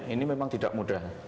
ini memang tidak mudah